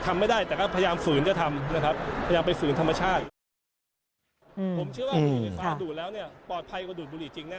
เมื่อว่าประเทศอำนาจแสง